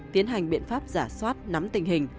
tiến hành biện pháp giả soát nắm tình hình